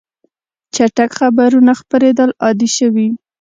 چټک خبرونه خپرېدل عادي شوي.